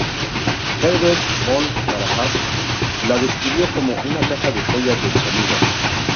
Herbert von Karajan la describió como "una caja de joyas del sonido".